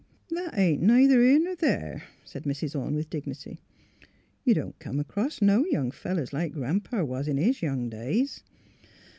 "*' That ain't neither here ner there," said Mrs. Orne, wi^h dignity. '' You don't come acrost no young fellers like Gran 'pa was in his young days.